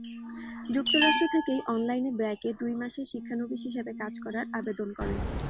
যুক্তরাষ্ট্র থেকেই অনলাইনে ব্র্যাকে দুই মাসের শিক্ষানবিশ হিসেবে কাজ করার আবেদন করেন।